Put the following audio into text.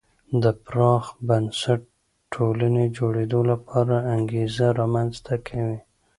د پراخ بنسټه ټولنې جوړېدو لپاره انګېزه رامنځته کوي.